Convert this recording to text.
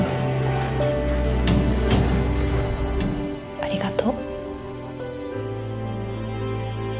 ありがとう。